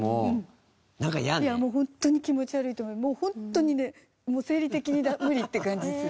ホントにね生理的に無理って感じする。